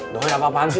doi apa apaan sih